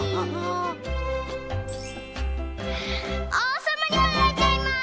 おうさまにもなれちゃいます！